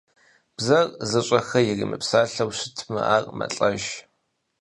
Бзэр зыщӀэхэр иримыпсалъэу щытмэ, ар мэлӀэж.